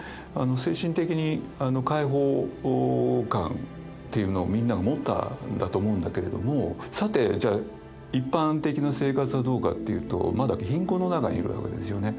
精神的に解放感っていうのをみんなが持ったんだと思うんだけれどもさてじゃあ一般的な生活はどうかっていうとまだ貧困の中にいるわけですよね。